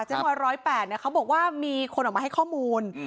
เจ๊ม้อย๑๐๘เนี่ยเขาบอกว่ามีคนออกมาให้ข้อมูล